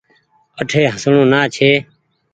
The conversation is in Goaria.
اٺي هسڻو نآ ڇي ۔